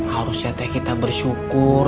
harusnya teh kita bersyukur